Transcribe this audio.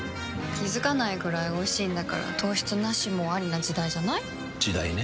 気付かないくらいおいしいんだから糖質ナシもアリな時代じゃない？時代ね。